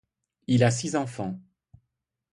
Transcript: Il a six enfants.